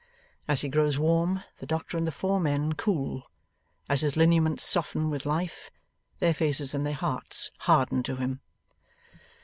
As he grows warm, the doctor and the four men cool. As his lineaments soften with life, their faces and their hearts harden to him.